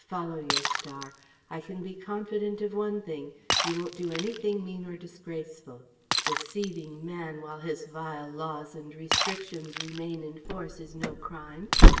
Follow your star! I can be confident of one thing, you won't do anything mean or disgraceful. Deceiving Man while his vile laws and restrictions remain in force is no crime.